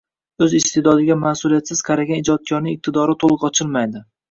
O`z iste`dodiga mas`uliyatsiz qaragan ijodkorning iqtidori to`liq ochilmaydi